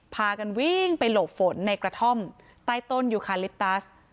พากันวิ่งไปหลบฝนในกระท่อมใต้ต้นยูคาลิปตัส